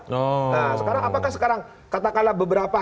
nah sekarang apakah sekarang katakanlah beberapa